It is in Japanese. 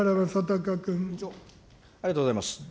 ありがとうございます。